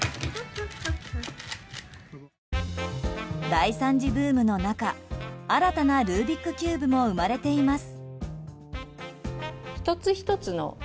第３次ブームの中新たなルービックキューブも生まれています。